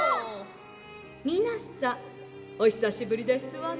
「みなさんおひさしぶりですわね」。